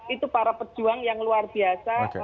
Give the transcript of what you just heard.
itu para pejuang yang luar biasa